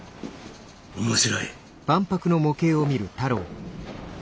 面白い！